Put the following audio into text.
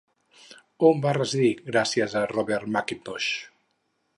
On va residir gràcies a Robert Mackintosh?